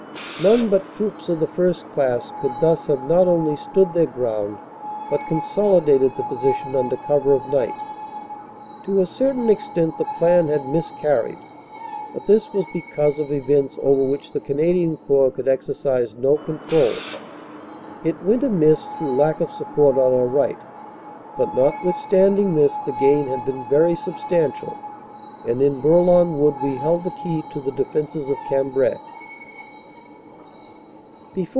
None but troops of the first class could thus have not only stood their ground but consolidated the position under cover of night. To a certain extent the plan had miscarried, but this was because of events over which the Canadian Corps could exercise no control. It went amiss through lack of support on our right, but notwithstanding this the gain had been very substantial, and in Bourlon Wood we held the key to the defenses of Cam brai.